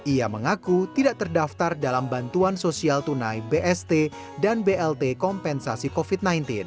ia mengaku tidak terdaftar dalam bantuan sosial tunai bst dan blt kompensasi covid sembilan belas